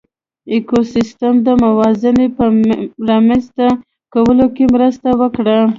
ایکوسېسټم د موازنې په رامنځ ته کولو کې مرسته وکړه.